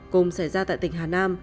cùng xảy ra tại tỉnh hà nam